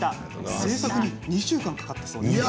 製作に２週間かかったそうですよ。